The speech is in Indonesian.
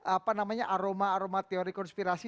apa namanya aroma aroma teori konspirasi